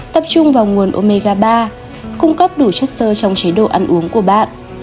tập trung vào nguồn omega ba cung cấp đủ chất sơ trong chế độ ăn uống của bạn